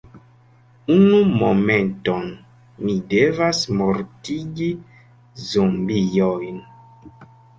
Unu momenton, mi devas mortigi zombiojn.